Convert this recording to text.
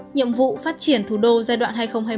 nhiệm vụ phát triển thủ đô giai đoạn